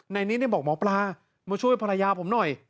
นิดบอกหมอปลามาช่วยภรรยาผมหน่อย